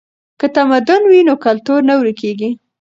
که تمدن وي نو کلتور نه ورکیږي.